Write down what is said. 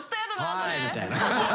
「あはい」みたいな。